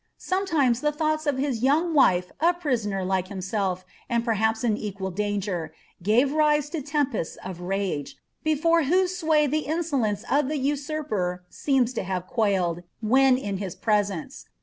Sonietimo* ifH> llioughu of his young wife a prisoner like himself, and perhaps is a«}iHl danger, gave rise to tempests nf rage, before whose sway the ineo^ lance of the nsurper seems to have quailed, when in his presence.